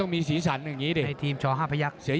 ต้องมีสีสันในทีมช๕พระยักษ์